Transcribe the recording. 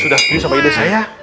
sudah setuju sama ide saya